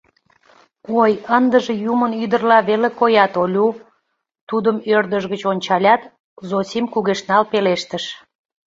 — Ой, ындыже юмын ӱдырла веле коят, Олю! — тудым ӧрдыж гыч ончалят, Зосим кугешнал пелештыш.